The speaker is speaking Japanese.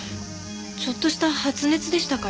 ちょっとした発熱でしたから。